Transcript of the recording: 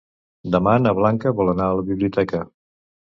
Demà na Blanca vol anar a la biblioteca.